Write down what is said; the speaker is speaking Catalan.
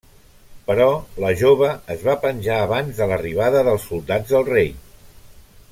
Però la jove es va penjar abans de l'arribada dels soldats del rei.